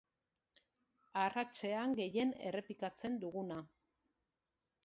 Arratsean gehien errepikatzen duguna.